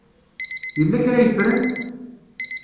Yella kra ay ffren?